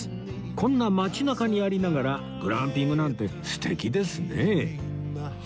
こんな街なかにありながらグランピングなんて素敵ですね